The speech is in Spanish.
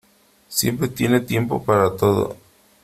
Siempre tiene tiempo para todo.